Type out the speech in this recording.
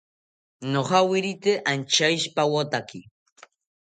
Nojawirite anchaishipawotake